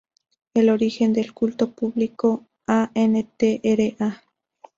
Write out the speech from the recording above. El origen del culto público a Ntra.